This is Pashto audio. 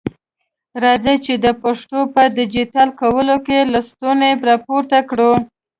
راځئ چي د پښتو په ډيجيټل کولو کي لستوڼي را پورته کړو.